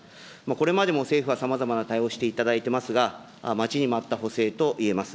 これまでも政府はさまざまな対応をしていただいておりますが、待ちに待った補正といえます。